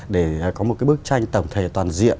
để có một cái bức tranh tổng thể toàn diện